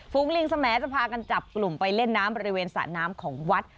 ลิงสมัยจะพากันจับกลุ่มไปเล่นน้ำบริเวณสระน้ำของวัด